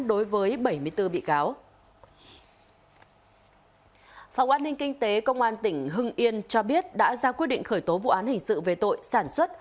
đối với bảy mươi bốn bị cáo phòng an ninh kinh tế công an tỉnh hưng yên cho biết đã ra quyết định khởi tố vụ án hình sự về tội sản xuất